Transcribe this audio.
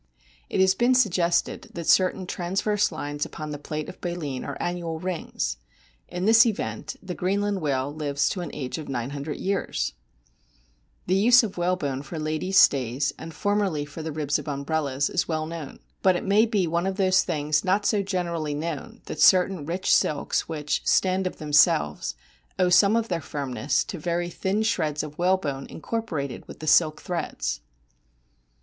It has been suggested that certain transverse lines upon the plates of baleen are annual rings. In this event the Greenland whale lives to an age of nine hundred years ! The use of whalebone for ladies' stays, and formerly for the ribs of umbrellas, is well known. But it may be one of those things not so generally known that certain rich silks which "stand of them selves" owe some of their firmness to very thin shreds of whalebone incorporated with the silk threads